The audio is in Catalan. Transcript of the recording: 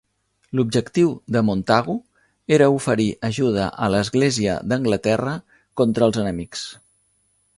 L'objectiu de Montagu era oferir ajuda a l'Església d'Anglaterra contra els enemics.